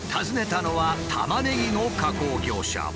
訪ねたのはタマネギの加工業者。